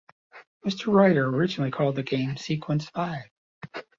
Mr. Reuter originally called the game, "Sequence Five".